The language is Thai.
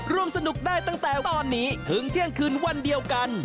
ร่วมสนุกได้ตั้งแต่ตอนนี้ถึงเที่ยงคืนวันเดียวกัน